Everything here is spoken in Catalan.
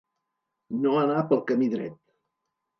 No anar pel camí dret.